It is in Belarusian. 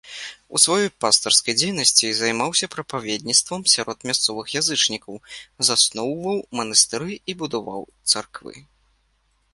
У сваёй пастырскай дзейнасці займаўся прапаведніцтвам сярод мясцовых язычнікаў, засноўваў манастыры і будаваў царквы.